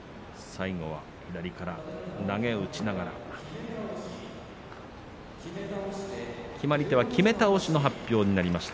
最後は左から投げを打ちながら決まり手は、きめ倒しです。